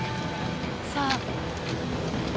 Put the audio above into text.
さあ。